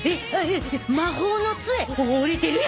魔法のつえお折れてるやん。